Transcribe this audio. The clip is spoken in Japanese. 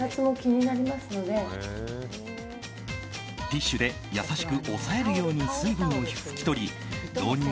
ティッシュで優しく押さえるように水分を拭き取り導入